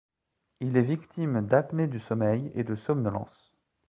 Il est victime d'apnée du sommeil et de somnolence.